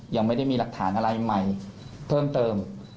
ยังไม่ได้มีหลักฐานอะไรใหม่เพิ่มเติม